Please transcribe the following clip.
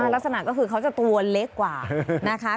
ลักษณะก็คือเขาจะตัวเล็กกว่านะคะ